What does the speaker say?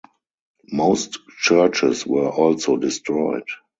Most churches were also destroyed.